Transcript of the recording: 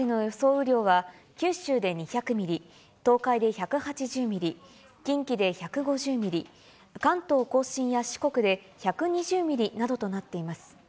雨量は九州で２００ミリ、東海で１８０ミリ、近畿で１５０ミリ、関東甲信や四国で１２０ミリなどとなっています。